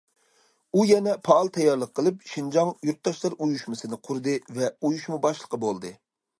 ئۇ يەنە پائال تەييارلىق قىلىپ، شىنجاڭ يۇرتداشلار ئۇيۇشمىسىنى قۇردى ۋە ئۇيۇشما باشلىقى بولدى.